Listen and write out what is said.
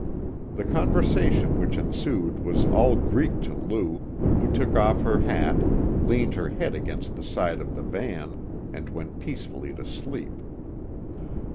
The conversation which ensued was all Greek to Lou, who took off her hat, leaned her head against the side of the van, and went peacefully to sleep.